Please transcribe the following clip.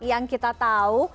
yang kita tahu